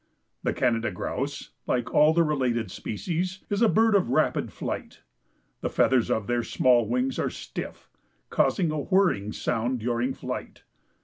The Canada Grouse, like all the related species, is a bird of rapid flight. The feathers of their small wings are stiff, causing a whirring sound during flight.